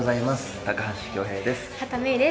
高橋恭平です。